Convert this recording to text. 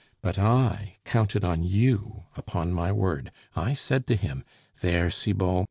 But I counted on you, upon my word. I said to him, 'There, Cibot!